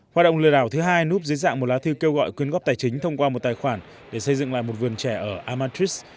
hoạt động lừa đảo thứ hai núp dưới dạng một lá thư kêu gọi quyên góp tài chính thông qua một tài khoản để xây dựng lại một vườn trẻ ở am matrix